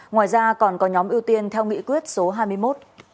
ngoài ra còn có nhóm ưu tiên theo nghị quyết số hai mươi một